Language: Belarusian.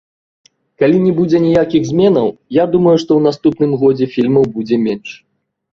Калі не будзе ніякіх зменаў, я думаю, што ў наступным годзе фільмаў будзе менш.